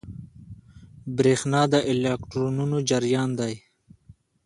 برېښنا د الکترونونو جریان دی.